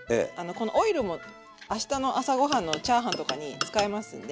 このオイルも明日の朝ご飯のチャーハンとかに使えますんで。